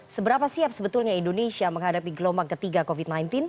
seberapa siap sebetulnya indonesia menghadapi gelombang ketiga covid sembilan belas